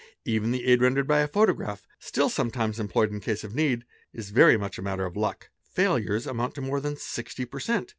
Even the aid rendered by a photograph, still sometimes employed in case of need, is very much a matter of luck; failures amount to more than 60 | per cent.